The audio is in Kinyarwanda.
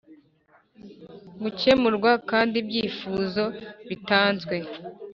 gukemurwa kandi ibyifuzo bitanzwe